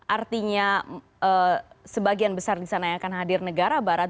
artinya sebagian besar di sana yang akan hadir negara barat